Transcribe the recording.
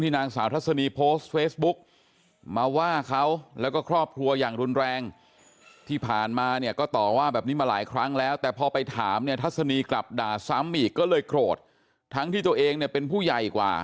ทัศนีกลับด่าซ้ำอีกก็เลยโกรธทั้งที่ตัวเองเป็นผู้ใหญ่กว่า